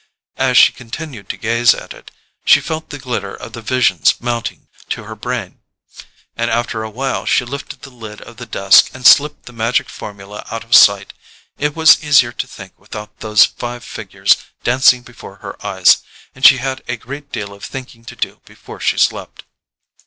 As she continued to gaze at it, she felt the glitter of the visions mounting to her brain, and after a while she lifted the lid of the desk and slipped the magic formula out of sight. It was easier to think without those five figures dancing before her eyes; and she had a great deal of thinking to do before she slept.